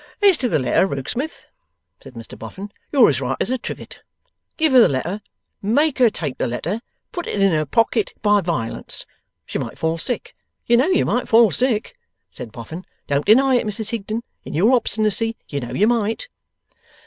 'As to the letter, Rokesmith,' said Mr Boffin, 'you're as right as a trivet. Give her the letter, make her take the letter, put it in her pocket by violence. She might fall sick. You know you might fall sick,' said Mr Boffin. 'Don't deny it, Mrs Higden, in your obstinacy; you know you might.